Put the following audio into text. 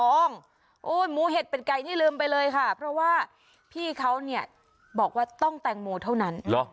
โอ้โหหมูเห็ดเป็ดไก่นี่ลืมไปเลยค่ะเพราะว่าพี่เขาเนี่ยบอกว่าต้องแตงโมเท่านั้น